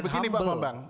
bukan begini pak bambang